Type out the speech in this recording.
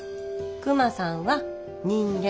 クマさんは人間。